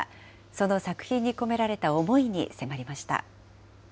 その作品に込められた思いに迫り